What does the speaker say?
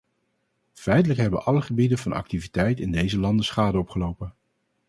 Feitelijk hebben alle gebieden van activiteit in deze landen schade opgelopen.